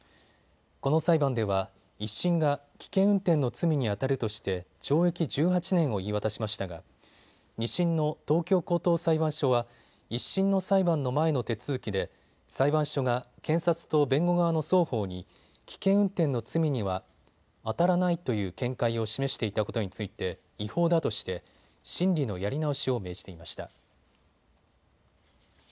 この裁判では１審が危険運転の罪にあたるとして懲役１８年を言い渡しましたが２審の東京高等裁判所は１審の裁判の前の手続きで裁判所が検察と弁護側の双方に危険運転の罪にはあたらないという見解を示していたことについて違法だとして審理のやり直しを命じていました。